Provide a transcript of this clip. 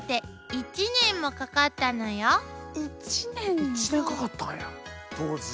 １年かかったんや当時。